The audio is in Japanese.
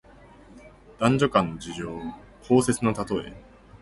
男女間の情事、交接のたとえ。